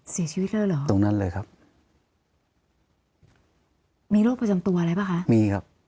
เสียชีวิตแล้วเหรอตรงนั้นเลยครับมีโรคประจำตัวอะไรป่ะคะมีครับ